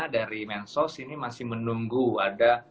dari mensos ini masih menunggu ada